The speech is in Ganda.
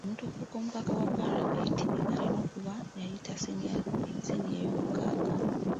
Omuntu okufuuka omubaka wa Paalamenti alina okuba yayita siniya eyoomukaaga.